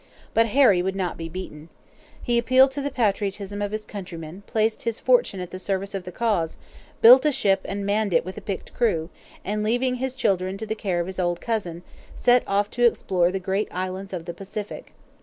But Harry would not be beaten. He appealed to the patriotism of his countrymen, placed his fortune at the service of the cause, built a ship, and manned it with a picked crew, and leaving his children to the care of his old cousin set off to explore the great islands of the Pacific.